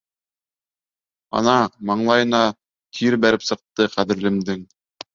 Ана, маңлайына тир бәреп сыҡты ҡәҙерлемдең.